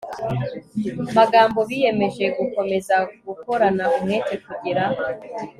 magambo Biyemeje gukomeza gukorana umwete kugira